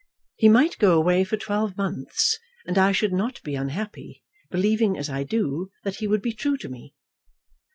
He might go away for twelve months, and I should not be unhappy, believing, as I do, that he would be true to me."